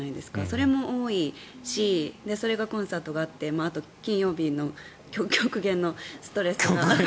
それも多いしそれがコンサートがあってあと金曜日の極限のストレスが。